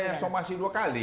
kan sudah saya somasi dua kali